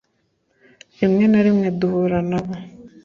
rimwe na rimwe duhura nabo